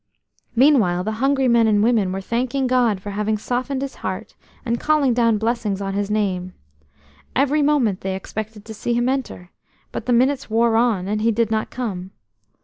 Meanwhile the hungry men and women were thanking God for having softened his heart, and calling down blessings on his name. Every moment they expected to see him enter, but the minutes wore on, and he did not come.